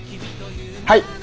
はい。